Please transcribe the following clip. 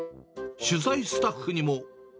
取材スタッフにも。